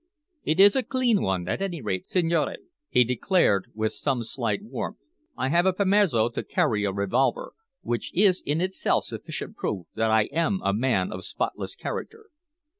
"It is a clean one, at any rate, signore," he declared with some slight warmth. "I have a permesso to carry a revolver, which is in itself sufficient proof that I am a man of spotless character."